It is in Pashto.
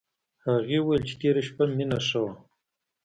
هغې وویل چې تېره شپه مينه ښه وه